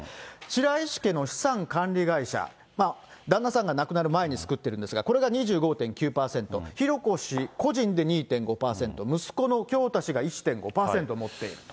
白石家の資産管理会社、旦那さんが亡くなる前に作っているんですが、これが２５．９％、浩子氏個人で２．５％、息子の京大氏が１．５％持っていると。